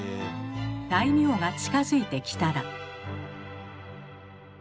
大名が近づいてきたら。